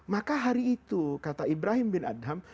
maka hari itu kata ibrahim bin adam